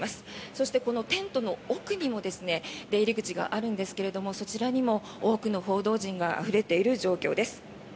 そしてこのテントの奥にも出入り口があるんですがそちらにも多くの報道陣があふれている状況です。